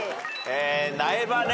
苗場ね。